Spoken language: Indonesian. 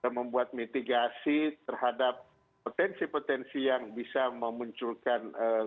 dan membuat mitigasi terhadap potensi potensi yang bisa memunculkan